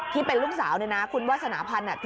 ที่เป็นลูกสาวคุณวาสนภัณฑ์